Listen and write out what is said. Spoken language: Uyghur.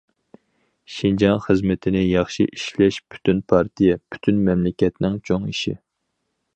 شىنجاڭ خىزمىتىنى ياخشى ئىشلەش پۈتۈن پارتىيە، پۈتۈن مەملىكەتنىڭ چوڭ ئىشى.